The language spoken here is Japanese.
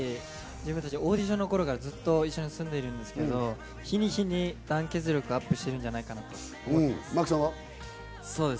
自分たちオーディションの頃からずっと一緒に住んでるんですけど、日に日に団結力がアップしているんじゃないかなと思います。